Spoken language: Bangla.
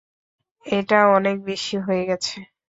এটা অনেক বেশি হয়ে গেছে।